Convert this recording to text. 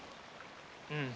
うん。